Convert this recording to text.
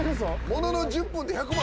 ものの１０分で１００万